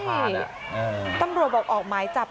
ว้าวนี่แบบคลิปนี้